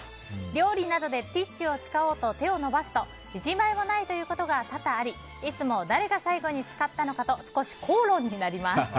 料理などでティッシュを使おうと手を伸ばすと１枚もないということが多々ありいつも誰が最後に使ったのかと少し口論になります。